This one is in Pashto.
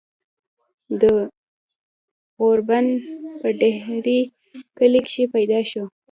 د غوربند پۀ ډهيرۍ کلي کښې پيدا شو ۔